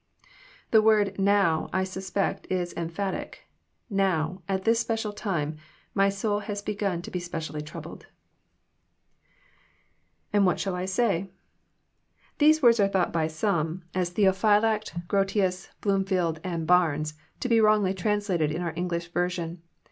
The word now," I suspect, is emphatic: "Now, at this special time, my soul has begun to be specially troubled." Z And what sTiall I say?'} These words are thought by some. 348 EXPOSITOltT THOUGHTS, M Theopbylact, Grotias, Bloomfleld, and Barnes, to be wrong^lj translated in oar English version.